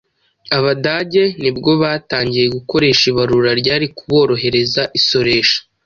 Abadage nibwo batangiye gukoresha ibarura ryari kuborohereza isoresha.